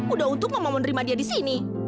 udah untuk mama menerima dia di sini